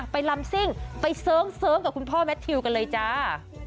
ลำซิ่งไปเสิร์งกับคุณพ่อแมททิวกันเลยจ้า